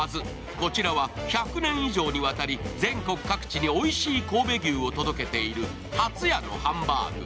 こちらは１００年以上にわたり全国各地においしい神戸牛を届けている、辰屋のハンバーグ。